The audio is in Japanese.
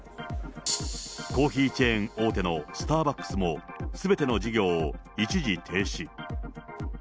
コーヒーチェーン大手のスターバックスもすべての事業を一時停止。